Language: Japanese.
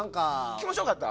気持ちよかった？